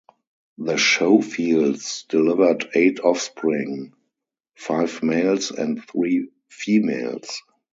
The Schofields delivered eight offspring; five males and three females.